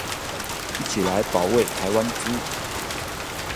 一起來保衛台灣豬